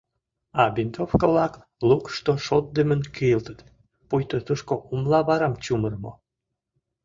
А винтовка-влак лукышто шотдымын кийылтыт, пуйто тушко умлаварам чумырымо.